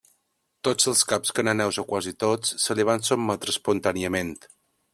Tots els caps cananeus o quasi tots se li van sotmetre espontàniament.